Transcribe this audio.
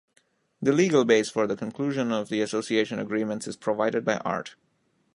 The legal base for the conclusion of the association agreements is provided by art.